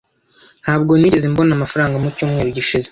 Ntabwo nigeze mbona amafaranga mu cyumweru gishize.